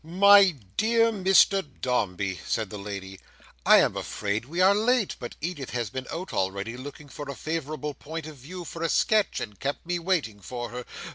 "My dear Mr Dombey," said the lady, "I am afraid we are late, but Edith has been out already looking for a favourable point of view for a sketch, and kept me waiting for her.